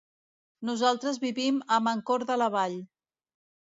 Nosaltres vivim a Mancor de la Vall.